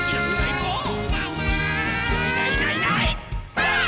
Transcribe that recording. ばあっ！